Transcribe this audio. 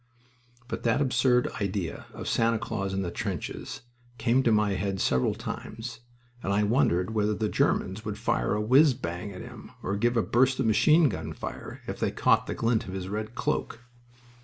But that absurd idea of Santa Claus in the trenches came into my head several times, and I wondered whether the Germans would fire a whizz bang at him or give a burst of machine gun fire if they caught the glint of his red cloak.